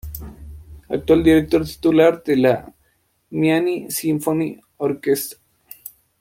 Actual Director Titular de la Miami Symphony Orchestra.